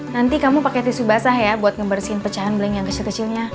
nanti kamu pakai tisu basah ya buat ngebersihin pecahan blank yang kecil kecilnya